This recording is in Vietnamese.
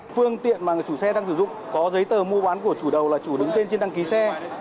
phương tiện mà chủ xe đang sử dụng có giấy tờ mua bán của chủ đầu là chủ đứng tên trên đăng ký xe